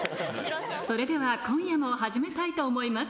それでは今夜も始めたいと思います